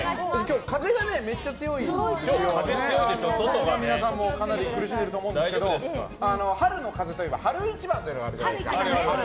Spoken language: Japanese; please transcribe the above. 風がめっちゃ強いので外の皆さんもかなり苦しんでると思うんですけど春の風といえば春一番というのがあるじゃないですか。